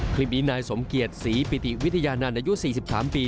คลิปนี้นายสมเกียรติศรีปิติวิทยานันต์อายุ๔๓ปี